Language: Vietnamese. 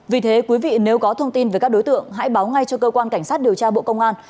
vì thế quý vị nếu có thông tin về các đối tượng hãy báo ngay cho cơ quan cảnh sát điều tra bộ công an